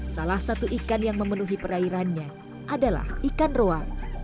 salah satu ikan yang memenuhi perairannya adalah ikan roa